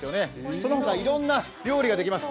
その他、いろんな料理ができます。